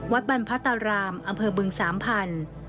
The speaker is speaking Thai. บรรพตารามอำเภอบึงสามพันธุ์